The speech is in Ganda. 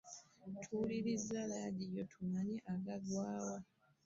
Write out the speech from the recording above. Tuwulirize laadiyo tumanye agagwawo.